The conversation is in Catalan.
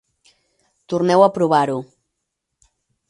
Torneu a provar-ho.